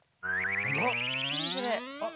あっ！